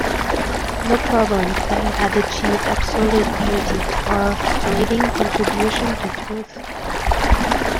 No problem play had achieved absolute beauty, or a living contribution to truth.